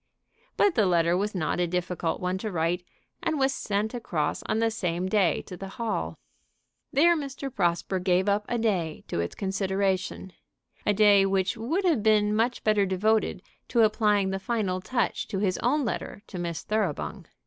But the letter was not a difficult one to write, and was sent across on the same day to the Hall. There Mr. Prosper gave up a day to its consideration, a day which would have been much better devoted to applying the final touch to his own letter to Miss Thoroughbung.